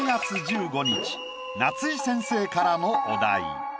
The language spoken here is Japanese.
夏井先生からのお題。